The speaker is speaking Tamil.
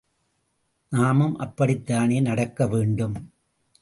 நாமும் அப்படித் தானே நடக்க வேண்டும்?